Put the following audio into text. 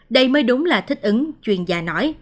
đây mới đúng là thích ứng chuyên gia nói